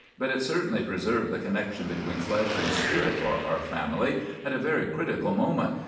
'But it certainly preserved the connection between flesh and spirit for our family at a very critical moment.